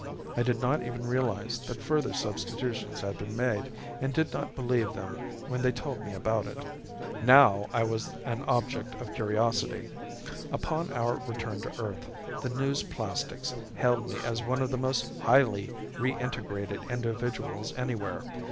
I did not even realize that further substitutions had been made and did not believe them when they told me about it. Now I was an object of curiosity. Upon our return to Earth the newsplastics hailed me as one of the most highly reintegrated individuals anywhere.